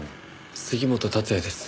杉本竜也です。